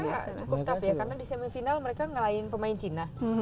mereka cukup tough ya karena di semifinal mereka ngalahin pemain china